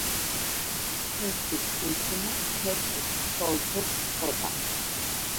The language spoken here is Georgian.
თეთრი თრითინა თეთრ თრთოლზე თროდა